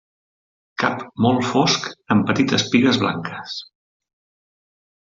Cap molt fosc amb petites pigues blanques.